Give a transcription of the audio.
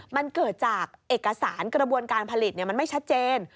มันเกิดจากเอกสารกระบวนการผลิตมันไม่ชัดเจน